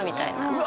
うわ！